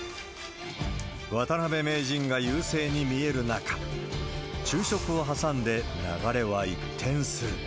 渡辺名人が優勢に見える中、昼食をはさんで、流れは一転する。